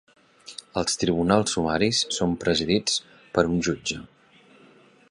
Els tribunals sumaris són presidits per un jutge.